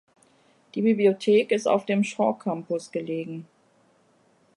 Die Bibliothek ist auf dem Shaw Campus gelegen.